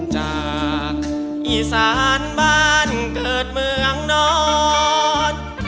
จากอีสานบ้านเกิดเมืองนอน